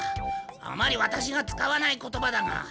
あまりワタシが使わない言葉だが。